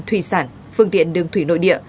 thủy sản phương tiện đường thủy nội địa